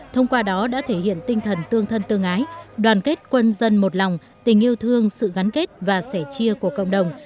thông qua đó đã thể hiện tinh thần tương thân tương ái đoàn kết quân dân một lòng tình yêu thương sự gắn kết và sẻ chia của cộng đồng